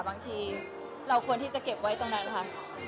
บางทีเราควรที่จะเก็บไว้ตรงนั้นค่ะ